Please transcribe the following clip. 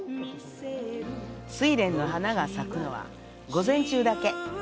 スイレンの花が咲くのは午前中だけ。